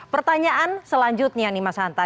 pertanyaan selanjutnya nih mas hanta